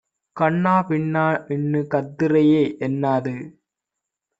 கன்னா பின்னாஇண்ணு கத்துறியே என்னாது?